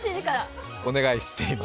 お願いしています。